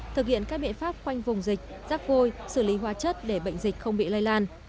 thực hiện các biện pháp khoanh vùng dịch rác vôi xử lý hóa chất để bệnh dịch không bị lây lan